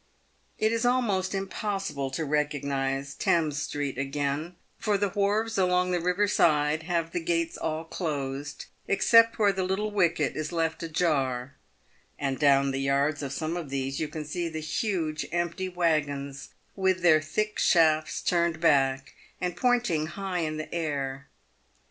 It is almost impossible to recognise Thames street again, for the wharves along the river side have the gates all closed, except where the little wicket is left ajar ; and down the yards of some of these you can see the huge empty waggons, with their thick shafts turned back and" pointing high in the air.